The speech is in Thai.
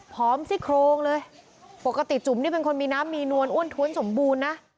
ซี่โครงเลยปกติจุ๋มนี่เป็นคนมีน้ำมีนวลอ้วนท้วนสมบูรณ์นะ